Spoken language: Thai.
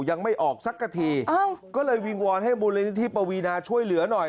ยังไม่ออกสักกะทีก็เลยวิงวอนให้มูลนิธิปวีนาช่วยเหลือหน่อย